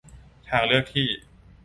ทางเลือกที่